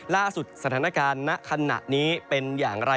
ล่าสุดสถานการณ์ณขณะนี้เป็นอย่างไร